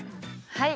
はい。